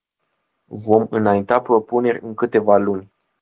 Vom înainta propuneri în câteva luni.